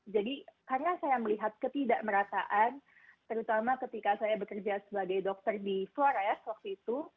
jadi karena saya melihat ketidakmerataan terutama ketika saya bekerja sebagai dokter di flores waktu itu